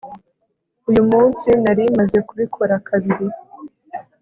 uyu munsi nari maze kubikora kabiri